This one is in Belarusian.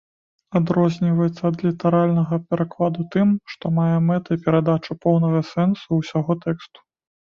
Адрозніваецца ад літаральнага перакладу тым, што мае мэтай перадачу поўнага сэнсу ўсяго тэксту.